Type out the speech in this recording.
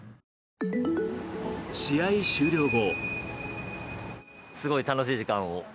試合終了後。